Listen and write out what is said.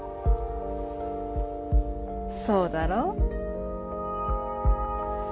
そうだろ？